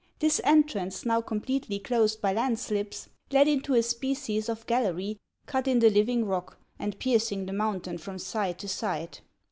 This entrance, now completely closed by landslips, led into a 18 HANS OF ICELAND. species of gallery cut in the living rock, and piercing the mountain from side to side.